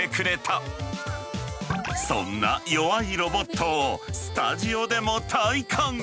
そんな弱いロボットをスタジオでも体感。